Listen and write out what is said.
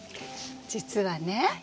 実はね